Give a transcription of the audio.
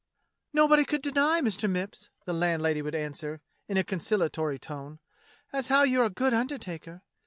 "Nobody could deny. Mister Mipps," the landlady would answer in a conciliatory tone, "as how you're a good undertaker.